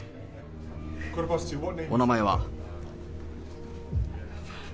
お名前は？